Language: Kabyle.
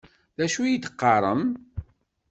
D acu i d-teqqaṛem?